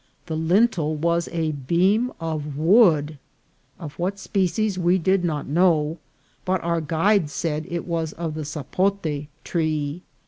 The lintel was a beam of wood ; of what species we did not know, but our guide said it was of the sapote tree.